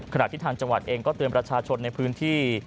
ขณะที่ทางจังหวัดเองก็เตือนประชาชนในพื้นที่